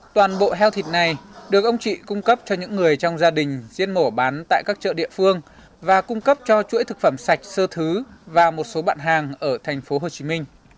toàn bộ heo thịt này được ông chị cung cấp cho những người trong gia đình diên mổ bán tại các chợ địa phương và cung cấp cho chuỗi thực phẩm sạch sơ thứ và một số bạn hàng ở tp hcm